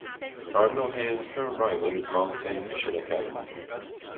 Cardinal Hayes' current rival is Mount Saint Michael Academy.